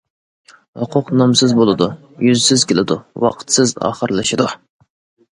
ھوقۇق نامسىز بولىدۇ، يۈزسىز كېلىدۇ، ۋاقىتسىز ئاخىرلىشىدۇ.